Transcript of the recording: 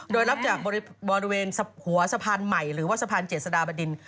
โดยรับจากบริเวณหัวสะพานใหม่หรือว่าสะพานเจษฎาบดิน